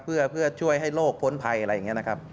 เพื่อช่วยให้โลกพ้นภัยอะไรอย่างนี้นะครับ